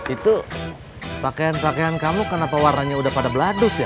itu pakaian pakaian kamu kenapa warnanya udah pada beladus ya